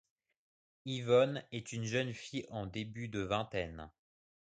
Yvonne est une jeune fille en début de vingtaine.